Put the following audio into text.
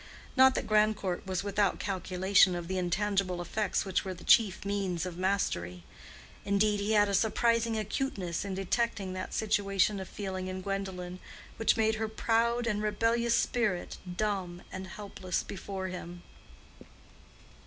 Not that Grandcourt was without calculation of the intangible effects which were the chief means of mastery; indeed, he had a surprising acuteness in detecting that situation of feeling in Gwendolen which made her proud and rebellious spirit dumb and helpless before him.